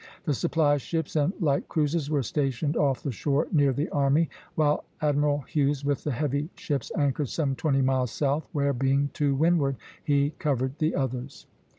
The supply ships and light cruisers were stationed off the shore near the army; while Admiral Hughes, with the heavy ships, anchored some twenty miles south, where, being to windward, he covered the others.